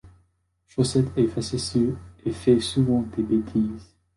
Chaussette est facétieux et fait souvent des bêtises.